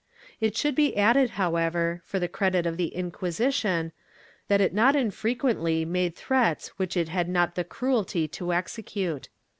^ It should be added, however, for the credit of the Inquisition, that it not infrequently made threats which it had not the cruelty to execute.